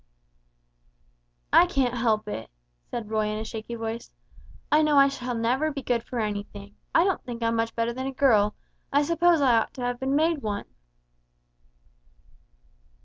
"I can't help it," said Roy, in a shaky voice; "I know I shall never be good for anything, I don't think I'm much better than a girl, I suppose I ought to have been made one."